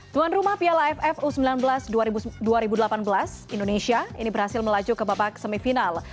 tuan rumah piala aff u sembilan belas dua ribu delapan belas indonesia ini berhasil melaju ke babak semifinal